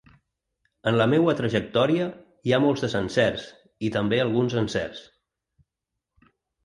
En la meua trajectòria hi ha molts desencerts i també alguns encerts.